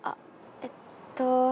えっと。